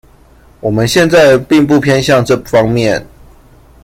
我們現在並不偏向這方面